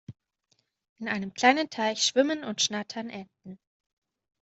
In einem kleinen Teich schwimmen und schnattern Enten.